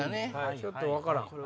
ちょっと分からん。